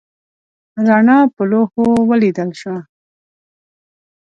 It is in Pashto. رڼا په لوښو ولیدل شوه.